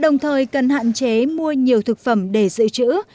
đồng thời cần hạn chế mua nhiều thực phẩm để giữ chữ